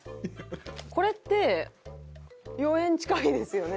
これって４円近いですよね？